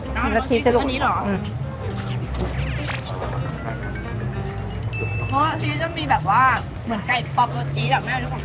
เพราะที่นี่จะมีแบบว่าเหมือนไก่ปอปรสชีส